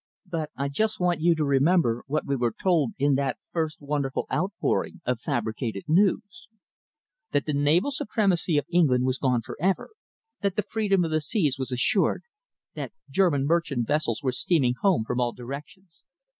But I just want you to remember what we were told in that first wonderful outpouring of fabricated news that the naval supremacy of England was gone for ever, that the freedom of the seas was assured, that German merchant vessels were steaming home from all directions!